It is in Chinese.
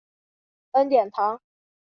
恩典堂。